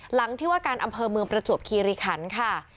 หลังที่ว่าการอำเภอเมืองประจวบคีริขันค่ะ